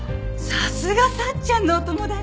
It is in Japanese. さすがサッちゃんのお友達！